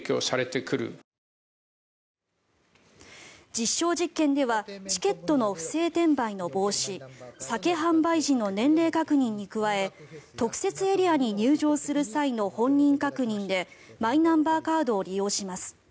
実証実験ではチケットの不正転売の防止酒販売時の年齢確認に加え特設エリアに入場する際の本人確認でマイナンバーカードを利用します。